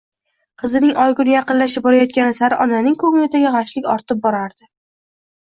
Qizining oy kuni yaqinlashib borayotgani sari onaning ko‘nglidagi g‘ashlik ortib borardi